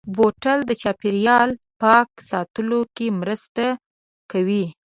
بوتل د چاپېریال پاک ساتلو کې مرسته کوي.